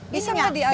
bisa nggak diajarkan